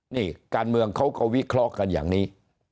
นี่การเมืองเขาก็วิเคราะห์กันอย่างนี้